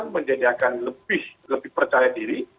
menjadikan lebih percaya diri